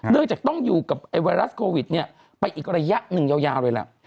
เรื่องจากต้องอยู่กับไอ้ไวรัสโควิดไปอีกระยะหนึ่งยาวเลยล่ะ